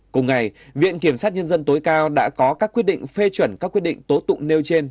cùng ngày viện kiểm sát nhân dân tối cao đã có các quyết định phê chuẩn các quyết định tố tụng nêu trên